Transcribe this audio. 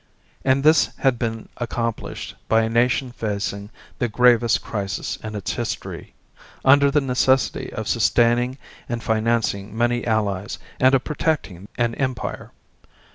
And this had been accomplished by a nation facing the gravest crisis in its history, under the necessity of sustaining and financing many allies and of protecting an Empire.